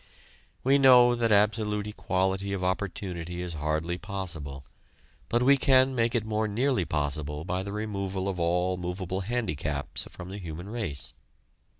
We know that absolute equality of opportunity is hardly possible, but we can make it more nearly possible by the removal of all movable handicaps from the human race.